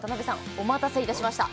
お待たせいたしました